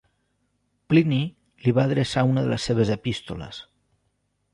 Plini li va adreçar una de les seves epístoles.